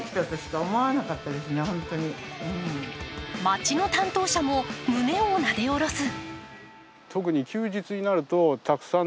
町の担当者も胸をなで下ろす。